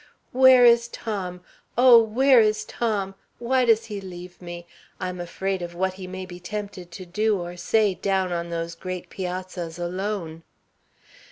"Where is Tom? Oh, where is Tom? Why does he leave me? I'm afraid of what he may be tempted to do or say down on those great piazzas alone."